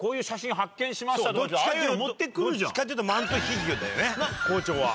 どっちかというとマントヒヒだよね校長は。